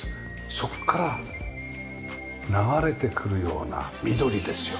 そこから流れてくるような緑ですよね。